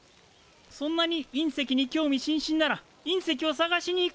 そんなに隕石に興味津々なら隕石を探しに行くか？